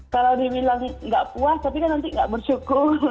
kalau dibilang nggak puas tapi kan nanti gak bersyukur